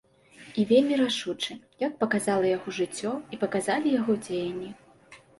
І вельмі рашучы, як паказала яго жыццё і паказалі яго дзеянні.